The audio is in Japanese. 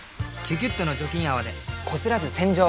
「キュキュット」の除菌泡でこすらず洗浄！